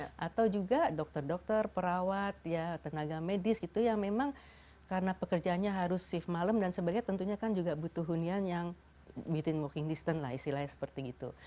atau juga dokter dokter perawat ya tenaga medis gitu yang memang karena pekerjaannya harus shift malam dan sebagainya tentunya kan juga butuh hunian yang metin warking distance lah istilahnya seperti itu